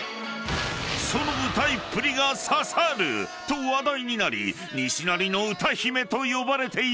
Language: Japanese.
［その歌いっぷりが刺さると話題になり西成の歌姫と呼ばれている］